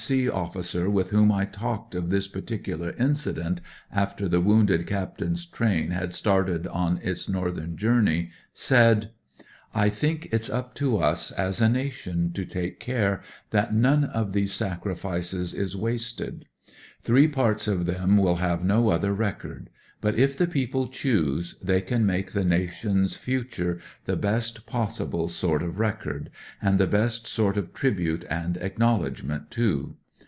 C. officer with whom I talked of this particular incident, after the woimded captain's train had started on its northern joimiey, said :— 218 THE SOUTH AFRICAN *^I think it's up to us as a nation to take good care that none of these sacri fices is wasted. Three parts of them will have no other record ; but, if the people choose, they can make the nation's future the best possible sort of record, and the best sort of tribute and acknowledgment, too.